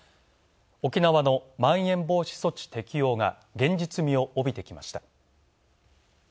沖縄のまん延防止措置適用が現実味を帯びてきました。